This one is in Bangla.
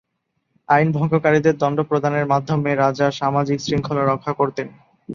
আইনভঙ্গকারীদের দন্ড প্রদানের মাধ্যমে রাজা সামাজিক শৃঙ্খলা রক্ষা করতেন।